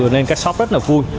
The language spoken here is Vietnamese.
nên các shop rất là vui